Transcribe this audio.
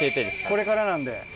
これからなんで。